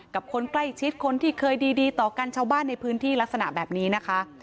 กับคนใกล้ชิดคนที่เคยดีต่อกันชาวบ้านในพื้นที่ลักษณะแบบนี้นะคะ